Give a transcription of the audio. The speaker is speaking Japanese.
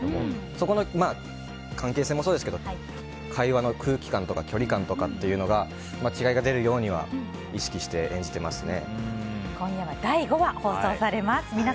そこの関係性もそうですけど会話の空気感とか距離感というのが違いが出るようには意識して演じていますね。